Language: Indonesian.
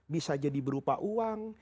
bisa jadi berupa uang